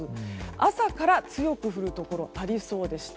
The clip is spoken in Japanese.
朝から強く降るところがありそうでして